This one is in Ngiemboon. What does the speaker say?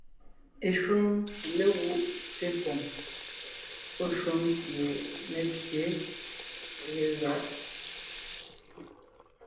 Eshúm légúʼ té poŋ pɔ́ shúm sie mé pye legáʼ.